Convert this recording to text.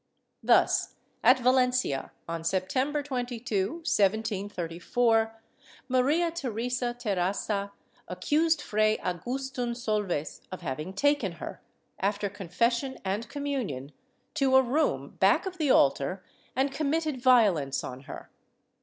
Thus at Valencia, on September 22, 1734, Maria Theresa Terrasa accused Fray Agustin Solves of having taken her, after confession and communion, to a room back of the altar and committed vio lence on her.